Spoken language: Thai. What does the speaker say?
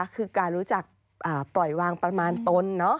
คือการรู้จักปล่อยวางประมาณตน